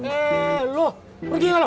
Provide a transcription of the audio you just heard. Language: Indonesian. eh lu pergi nggak lu